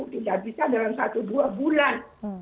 tidak bisa dalam satu dua bulan